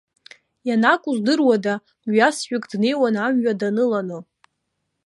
Ианакәу здыруада, мҩасҩык днеиуан амҩа даныланы.